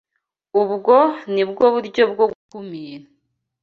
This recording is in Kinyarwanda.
Ubwo ni bwo buryo bwo gukumira